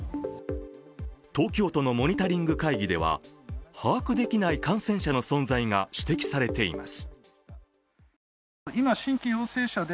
東京都のモニタリング会議では把握できない感染者の存在が指摘されています。